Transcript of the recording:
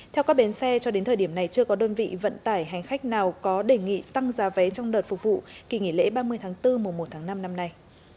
theo các bến xe cho đến thời điểm này chưa có đơn vị vận tải hành khách nào có đề nghị tăng giá vé trong đợt phục vụ kỳ nghỉ lễ ba mươi tháng bốn mùa một tháng năm năm nay